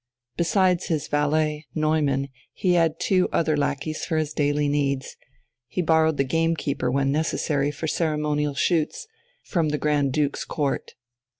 Besides his valet, Neumann, he had two other lackeys for his daily needs; he borrowed the game keeper when necessary for ceremonial shoots, from the Grand Duke's Court.